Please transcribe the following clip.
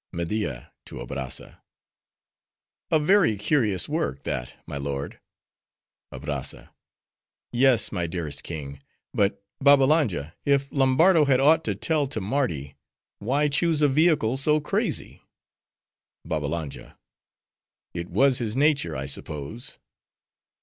MEDIA (to Abrazza.)—A very curious work, that, my lord. ABRAZZA—Yes, my dearest king. But, Babbalanja, if Lombardo had aught to tell to Mardi—why choose a vehicle so crazy? BABBALANJA—It was his nature, I suppose.